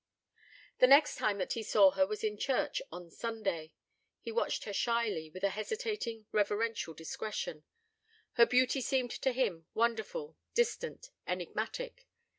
The next time that he saw her was in church on Sunday. He watched her shyly, with a hesitating, reverential discretion: her beauty seemed to him wonderful, distant, enigmatic.